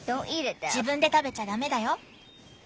自分で食べちゃダメだよ。